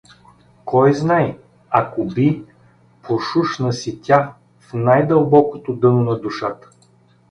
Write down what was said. — Кой знай, ако би… — пошушна си тя в най-дълбокото дъно на душата.